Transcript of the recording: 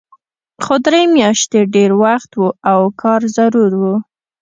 خو درې میاشتې ډېر وخت و او کار ضرور و